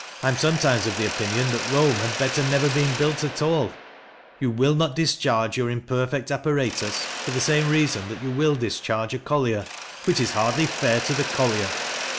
" I am sometimes of the opinion that Eome had better never been built at aU, You will not discharge your imperfect apparatus foi the same reason that you will discharge a collier, — whicb is hardly fair to the collier.